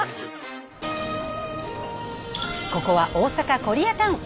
ここは大阪コリアタウン。